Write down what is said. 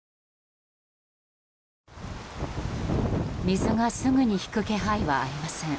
水がすぐに引く気配はありません。